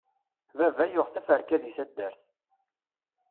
Baba yuɣ teferka di taddart.